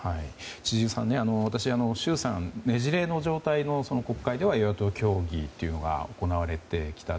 千々岩さん、私は衆参ねじれの状態での国会では、与野党協議というのが行われてきた。